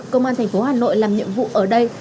công an thành phố hà nội làm nhiệm vụ ở đây